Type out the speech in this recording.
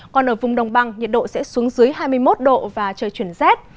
còn ở vùng đồng bằng nhiệt độ sẽ xuống dưới hai mươi một độ và trời chuyển rét